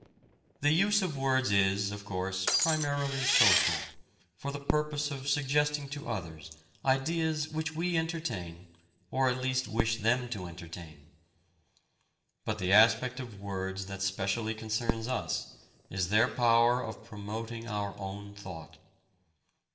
The use of words is, of course, primarily social, for the purpose of suggesting to others ideas which we entertain or at least wish them to entertain. But the aspect of words that specially concerns us is their power of promoting our own thought.